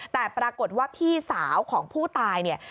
แต่ปรากฏว่าพี่สาวของผู้ตายเนี่ย